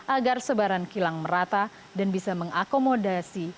agar sebaran kilang merata dan bisa mengakomodasi